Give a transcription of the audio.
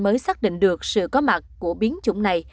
mới xác định được sự có mặt của biến chủng này